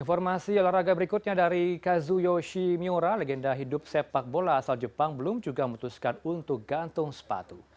informasi olahraga berikutnya dari kazu yoshimura legenda hidup sepak bola asal jepang belum juga memutuskan untuk gantung sepatu